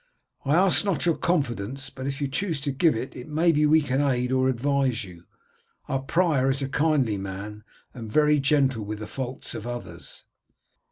I ask not your confidence, but if you chose to give it maybe we might aid or advise you. Our prior is a kindly man and very gentle with the faults of others."